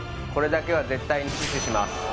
これだけは絶対に死守します